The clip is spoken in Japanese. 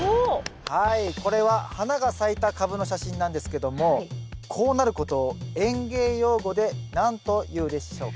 はいこれは花が咲いたカブの写真なんですけどもこうなることを園芸用語で何というでしょうか？